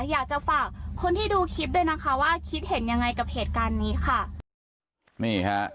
อยากจะฝากคนที่ดูคลิปด้วยนะคะว่าคิดเห็นยังไงกับเหตุการณ์นี้ค่ะนี่ฮะ